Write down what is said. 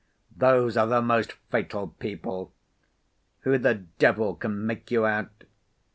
Those are the most fatal people! Who the devil can make you out?